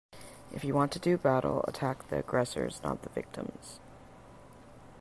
If you want to do battle, attack the aggressors not the victims.